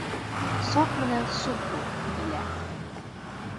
Саҡ менән Суҡ кеүек Иҙелә...